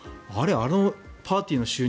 あのパーティーの収入